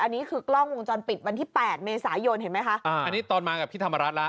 อันนี้คือกล้องวงจรปิดวันที่แปดเมษายนเห็นไหมคะอ่าอันนี้ตอนมากับพี่ธรรมรัฐแล้ว